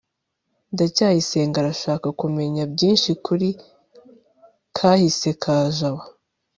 ndacyayisenga arashaka kumenya byinshi kuri kahise ka jabo